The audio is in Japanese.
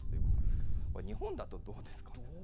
これ、日本だとどうですかね。